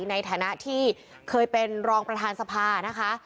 ในฐานะที่เคยเป็นรองประธานสภานะคะ